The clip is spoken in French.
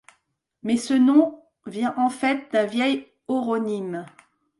Mais ce nom vient en fait d'un vieil oronyme.